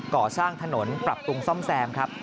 ก่อสร้างถนนปรับปรุงซ่อมแซมครับ